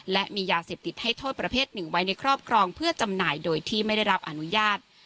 และมียาเสพติดให้โทษประเภทหนึ่งไว้ในครอบครองเพื่อจำหน่ายโดยที่ไม่ได้รับอนุญาต